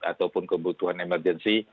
ataupun kebutuhan emergensi